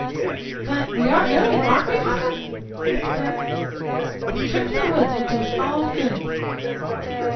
"But we are going; aren't we, Papa?" asked Bert. "The trip to the woods would do us all good."